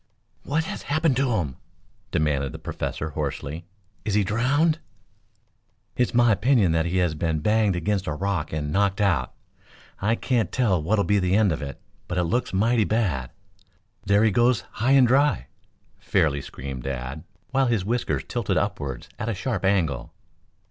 "What has happened to him?" demanded the Professor hoarsely. "Is he drowned?" "It's my opinion that he has been banged against a rock and knocked out. I can't tell what'll be the end of it, but it looks mighty bad. There he goes, high and dry!" fairly screamed Dad, while his whiskers tilted upwards at a sharp angle.